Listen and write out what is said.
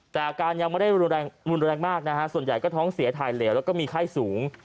แต่อาการยังไม่ได้รุนแรงมากนะฮะส่วนใหญ่ก็ท้องเสียถ่ายเหลวแล้วก็มีไข้สูง